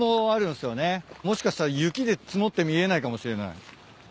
もしかしたら雪で積もって見えないかもしれない。